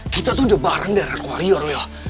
kita tuh udah bareng dari reku wario wil